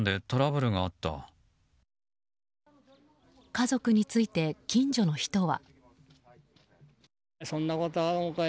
家族について近所の人は。